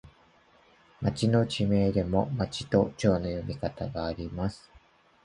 町の地名でも、まちとちょうの読み方があります。